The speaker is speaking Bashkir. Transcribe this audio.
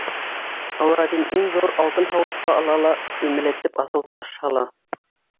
Аладдин иң ҙур алтын һауытты ала ла өймәләтеп аҫыл таш һала.